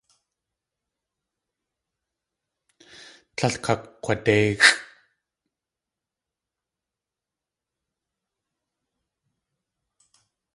Tlél kakg̲wadéixʼ.